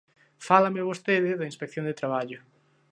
Fálame vostede da Inspección de Traballo.